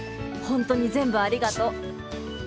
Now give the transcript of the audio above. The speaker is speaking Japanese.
本当に全部ありがとう。